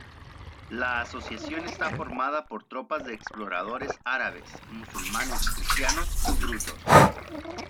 La asociación está formada por tropas de exploradores árabes, musulmanes, cristianos y drusos.